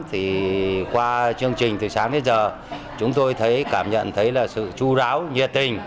thì qua chương trình từ sáng đến giờ chúng tôi thấy cảm nhận thấy là sự chú đáo nhiệt tình